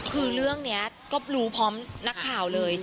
คือเรื่องนี้ก็รู้พร้อมนักข่าวเลย